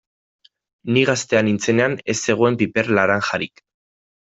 Ni gaztea nintzenean ez zegoen piper laranjarik.